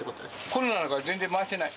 コロナだから全然回してない。